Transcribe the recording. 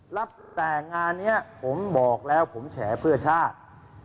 แล้วแต่งานนี้ผมบอกแล้วผมแฉเพื่อชาติ